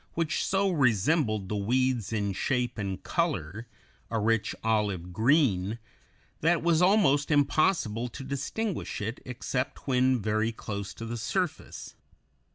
111) which so resembled the weeds in shape and color, a rich olive green, that it was almost impossible to distinguish it, except when very close to the surface.